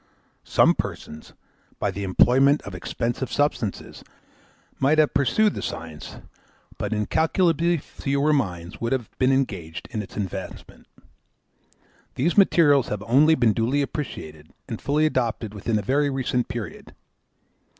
Some persons, by the employment of expensive substances, might have successfully pursued the science; but incalculably fewer minds would have been engaged in its advancement. These materials have only been duly appreciated and fully adopted within a very recent period.